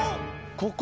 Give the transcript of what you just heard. ここ。